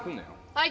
はい。